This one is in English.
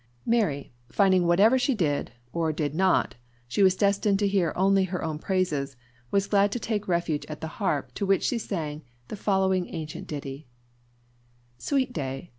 Mary, finding whatever she did or did not, she was destined to hear only her own praises, was glad to take refuge at the harp, to which she sang the following ancient ditty: "Sweet day!